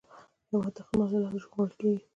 هېواد د خدمت له لاسه ژغورل کېږي.